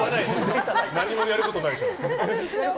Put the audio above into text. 何もやることないでしょ。